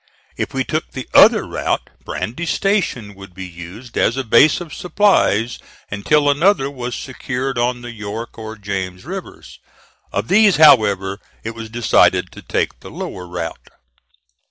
If we took the other route, Brandy Station could be used as a base of supplies until another was secured on the York or James rivers. Of these, however, it was decided to take the lower route.